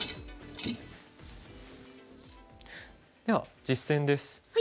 では実戦です。